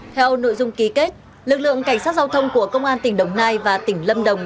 theo nội dung ký kết lực lượng cảnh sát giao thông của công an tỉnh đồng nai và tỉnh lâm đồng